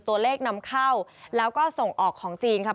ตัวเลขนำเข้าแล้วก็ส่งออกของจีนครับ